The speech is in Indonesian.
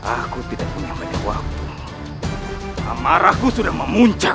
aku tidak punya banyak waktu amarahku sudah memuncak